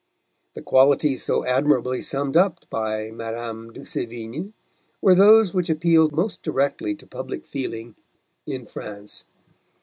The qualities so admirably summed up by Madame de Sévigné were those which appealed most directly to public feeling in France.